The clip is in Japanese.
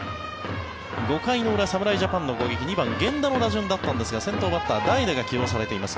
５回の裏、侍ジャパンの攻撃２番、源田の打順だったんですが先頭バッター代打が起用されています。